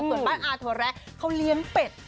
ส่วนบ้านอาถั่วแระเขาเลี้ยงเป็ด